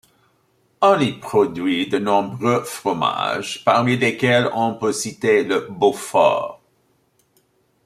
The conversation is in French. On y produit de nombreux fromage parmi lesquels on peut citer le beaufort.